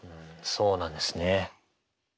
そうなんですね。